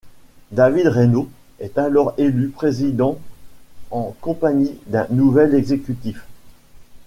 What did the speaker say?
David Raynaud est alors élu président en compagnie d'un nouvel exécutif.